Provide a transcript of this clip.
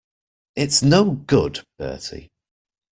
It's no good, Bertie.